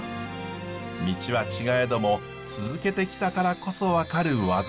道は違えども続けてきたからこそ分かる技と心。